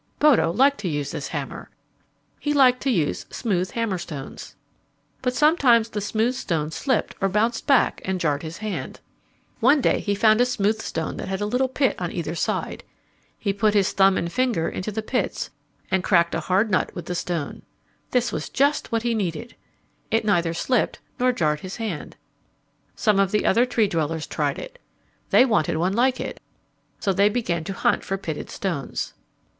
Bodo liked to use this hammer. He liked to use smooth hammer stones. But sometimes the smooth stone slipped or bounded back and jarred his hand. [Illustration: "Bodo cracked nuts with a stone"] One day he found a smooth stone that had a little pit on either side. He put his thumb and finger into the pits and cracked a hard nut with the stone. This was just what he needed. It neither slipped nor jarred his hand. Some of the other Tree dwellers tried it. They wanted one like it, so they began to hunt for pitted stones.